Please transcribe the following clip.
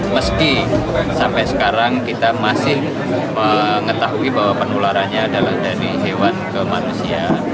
meski sampai sekarang kita masih mengetahui bahwa penularannya adalah dari hewan ke manusia